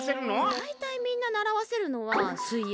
だいたいみんなならわせるのは水泳。